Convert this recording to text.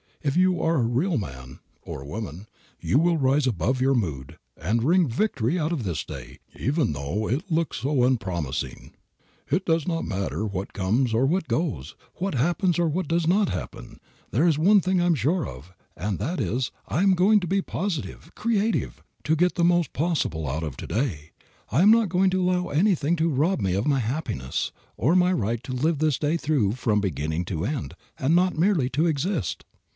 If you are a real man (or woman) you will rise above your mood and wring victory out of this day, even though it looks so unpromising. "It does not matter what comes or what goes, what happens or what does not happen, there is one thing I am sure of, and that is, I am going to be positive, creative, to get the most possible out of to day; I am not going to allow anything to rob me of my happiness, or of my right to live this day through from beginning to end, and not merely to exist.